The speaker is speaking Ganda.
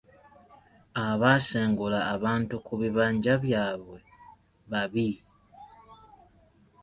Abasengula abantu ku bibanja byabwe babi.